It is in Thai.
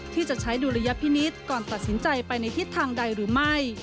ที่จะใช้ดุลยพินิษฐ์ก่อนตัดสินใจไปในทิศทางใดหรือไม่